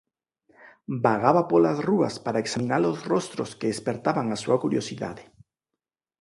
Vagaba polas rúas para examina-los rostros que espertaban a súa curiosidade.